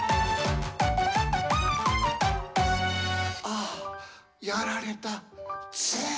「ああ、や、ら、れ、た、、ＺＥ」